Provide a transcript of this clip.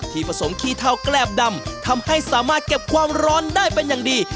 ผสมขี้เทาแกรบดำทำให้สามารถเก็บความร้อนได้เป็นอย่างดี